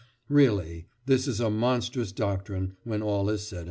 Really this is a monstrous doctrine when all is said and done."